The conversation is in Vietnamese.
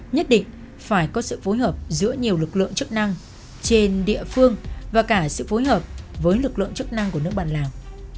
nhất định phải có sự phối hợp giữa nhiều lực lượng chức năng trên địa phương và cả sự phối hợp với lực lượng chức năng của nước bạn lào